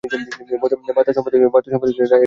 বার্তা সম্পাদক ছিলেন খায়রুল কবির।